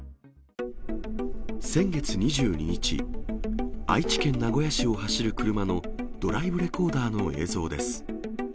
先月２２日、愛知県名古屋市を走る車のドライブレコーダーの映像です。